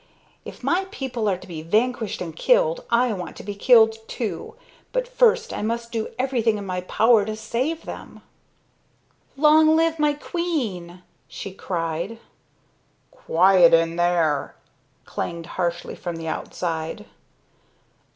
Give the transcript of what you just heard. "If my people are to be vanquished and killed, I want to be killed, too. But first I must do everything in my power to save them." "Long live my queen!" she cried. "Quiet in there!" clanged harshly from the outside.